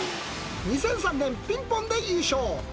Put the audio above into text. ２００３年、ピンポンで優勝。